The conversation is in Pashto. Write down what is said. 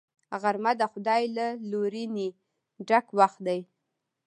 غرمه د خدای له لورینې ډک وخت دی